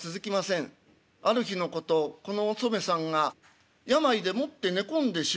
ある日のことこのおそめさんが病でもって寝込んでしまう。